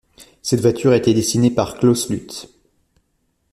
Cette voiture a été dessinée par Claus Luthe.